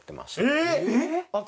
えっ！？